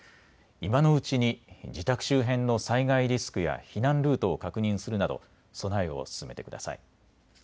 今のうちに自宅周辺の災害リスクや避難ルートを確認するなど備えを進めてください。